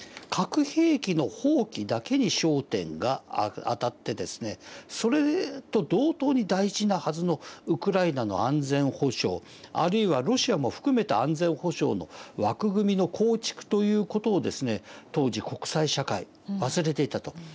核兵器の放棄だけに焦点があたってですねそれと同等に大事なはずのウクライナの安全保障あるいはロシアも含めた安全保障の枠組みの構築という事をですね当時国際社会忘れていたと。